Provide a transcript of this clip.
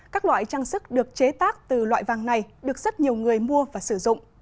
các loại trang sức được chế tác từ loại vàng này được rất nhiều người mua và sử dụng